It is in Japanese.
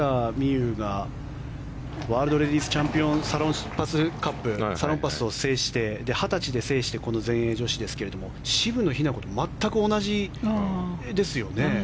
有がワールドレディスサロンパスカップサロンパスを制して２０歳で制してこの全英女子ですが渋野日向子と全く同じですよね。